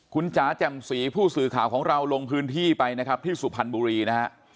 คุณจ๋าแจ่มสีผู้สื่อข่าวของเราลงพื้นที่ไปนะครับที่สุพรรณบุรีนะฮะ